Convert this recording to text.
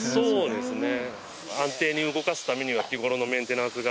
そうですね。